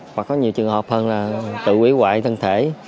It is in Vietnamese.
hoặc có nhiều trường hợp hơn là tự quỷ hoại thân thể